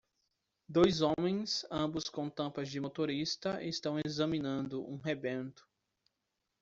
Dois homens ambos com tampas de motorista estão examinando um rebento